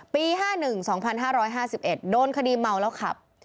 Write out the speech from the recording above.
ปี๕๑๒๕๕๑โดนคดีเมาแล้วขับ